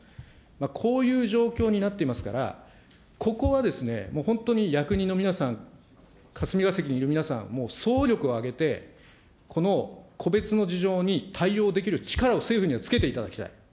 こういう状況になっていますから、ここは本当に役人の皆さん、霞が関にいる皆さん、もう、総力を挙げて、この個別の事情に対応できる力を政府にはつけていただきたい。